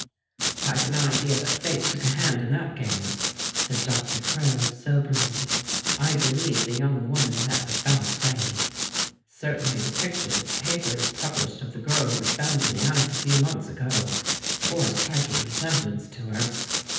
" I've an idea that Fate took a hand in that game," said Doctor Crow soberly. " I believe the young woman met with foul play. Certainly the pictures the papers published of the girl who was found in the ice a few months ago, bore a striking resem blance to her.